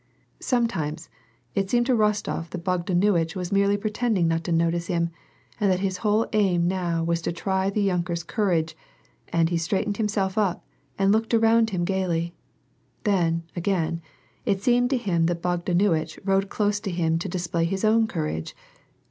Sometimes, it seemed to Rostof that Bogdanuitch was merely pretending not to notice him, and that his whole aim now was to try the yunker's cour age aij^ he straightened himself up and looked around him gayly ; then, again, it seemed to him that Bogdanuitch rode close to him to display his own courage.